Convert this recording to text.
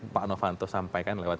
pak novanto sampaikan lewat